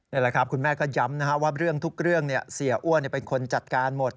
นี่แหละครับคุณแม่ก็ย้ำว่าเรื่องทุกเรื่องเสียอ้วนเป็นคนจัดการหมด